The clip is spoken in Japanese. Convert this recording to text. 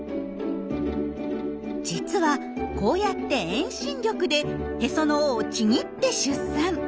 実はこうやって遠心力でへその緒をちぎって出産。